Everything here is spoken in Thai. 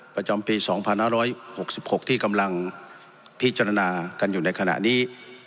ประจำปี๒๕๖๖ที่กำลังพิจารณากันอยู่ในขณะนี้